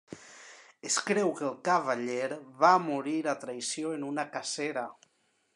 Es creu que el cavaller va morí a traïció en una cacera.